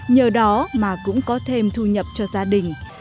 nhờ đó mà cũng có thêm thu nhập cho gia đình